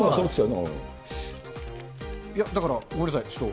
だから、ごめんなさい、ちょっと。